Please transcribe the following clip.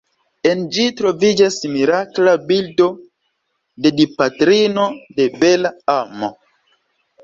En ĝi troviĝas mirakla bildo de Dipatrino de Bela Amo.